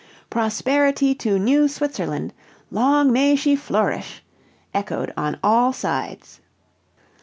"Prosperity to New Switzerland: long may she flourish;" echoed on all sides.